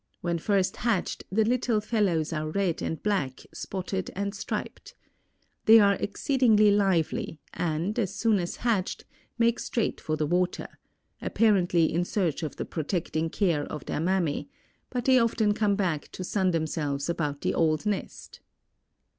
When first hatched the little fellows are red and black spotted and striped. They are exceedingly lively, and, as soon as hatched, make straight for the water—apparently in search of the protecting care of their mammy—but they often come back to sun themselves about the old nest.